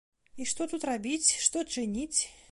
І што тут рабіць, што чыніць?